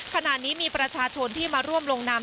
ขณะนี้มีประชาชนที่มาร่วมลงนาม